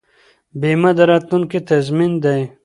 بیمه د راتلونکي تضمین دی.